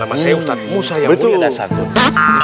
namanya ustad musayamun yadassatun